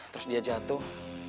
terus dia jatuh